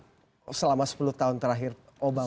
bagaimana seperti ini selama sepuluh tahun terakhir obama